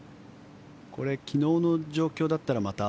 これ、昨日の状況だったらまた。